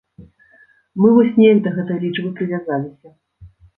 Мы вось неяк да гэтай лічбы прывязаліся.